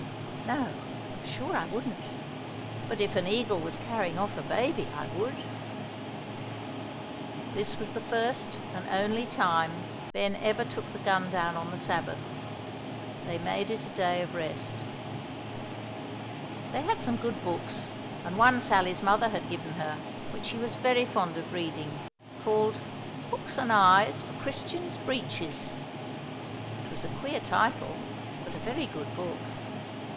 "No, I'm sure I wouldn't; but if an eagle was carrying off a baby, I would." This was the first and only time Ben ever took the gun down on the Sabbath. They made it a day of rest. They had some good books, and one Sally's mother had given her, which she was very fond of reading, called "Hooks and Eyes for Christian's Breeches." It was a queer title, but a very good book.